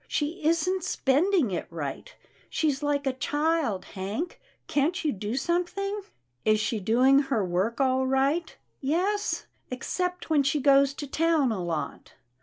She isn't spending it right. She's like a child, Hank. Can't you do something?" " Is she doing her work all right ?'*" Yes, except when she goes to town a lot."